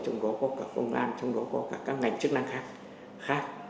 trong đó có cả công an trong đó có cả các ngành chức năng khác